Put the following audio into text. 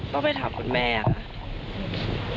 ต้องไปถามคุณแม่ค่ะ